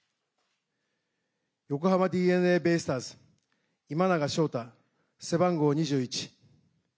横浜ＤｅＮＡベイスターズ、今永昇太・背番号２１。